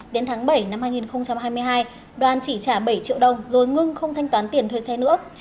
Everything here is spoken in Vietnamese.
đến tháng bảy năm hai nghìn hai mươi hai đoàn chỉ trả bảy triệu đồng rồi ngưng không thanh toán tiền thuê xe nữa